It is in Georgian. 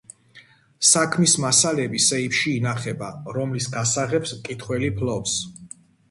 საქმის მასალები სეიფში ინახება, რომლის გასაღებს მკითხველი ფლობს.